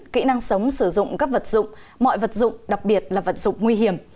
kỹ năng sống sử dụng các vật dụng mọi vật dụng đặc biệt là vật dụng nguy hiểm